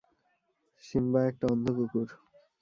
Simba একটা অন্ধ কুকুর!